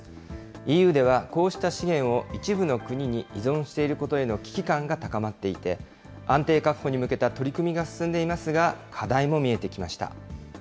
ＥＵではこうした資源を一部の国に依存していることへの危機感が高まっていて、安定確保に向けた取り組みが進んでいますが、課題